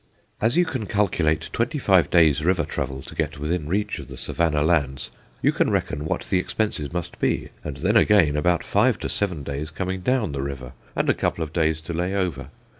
As you can calculate twenty five days' river travel to get within reach of the Savannah lands, you can reckon what the expenses must be, and then again about five to seven days coming down the river, and a couple of days to lay over.